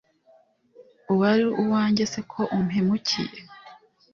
uwali uwanjye se ko umpemukiye